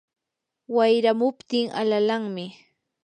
wayramuptin alalanmi.